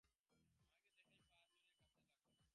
আমাকে দেখেই আমার পা জড়িয়ে ধরে লুটিয়ে পড়ে নিঃশব্দে কাঁদতে লাগল।